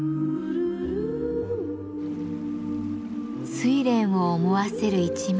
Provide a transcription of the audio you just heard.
睡蓮を思わせる一枚。